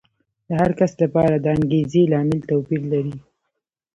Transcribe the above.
د هر کس لپاره د انګېزې لامل توپیر لري.